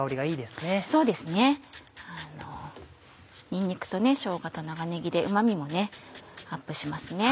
にんにくとしょうがと長ねぎでうま味もアップしますね。